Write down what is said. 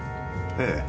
ええ。